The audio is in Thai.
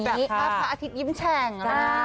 คือแบบภาพอาทิตย์ยิ้มแช่ง